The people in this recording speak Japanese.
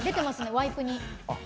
ワイプに。